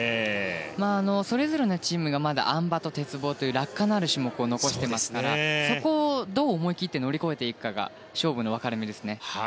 それぞれのチームがあん馬と鉄棒という落下のある種目を残していますからそこを、どう思い切って乗り越えていくかが勝負の分かれ目ですね。